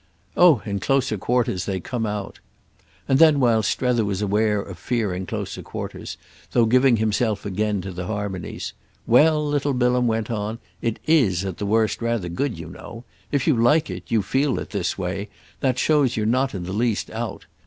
"Oh in closer quarters they come out!" And then, while Strether was aware of fearing closer quarters, though giving himself again to the harmonies, "Well," little Bilham went on, "it is at the worst rather good, you know. If you like it, you feel it, this way, that shows you're not in the least out.